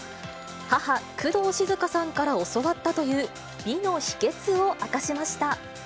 母、工藤静香さんから教わったという美の秘けつを明かしました。